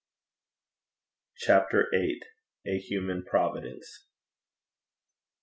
CHAPTER VIII. A HUMAN PROVIDENCE.